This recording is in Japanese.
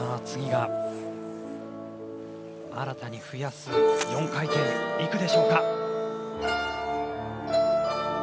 次が新たに追加した４回転いくでしょうか。